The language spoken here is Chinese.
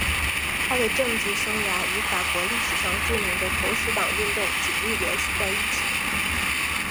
他的政治生涯与法国历史上著名的投石党运动紧密联系在一起。